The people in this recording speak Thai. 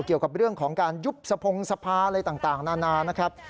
เกี่ยวกับเรื่องของการยุบสะพงศภาอะไรต่างนานานะครับ